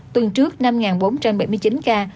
tuần trước năm bốn trăm bảy mươi chín ca